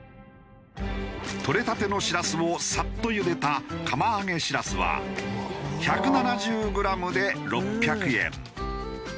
とれたてのしらすをサッと茹でた釜揚げしらすは１７０グラムで６００円。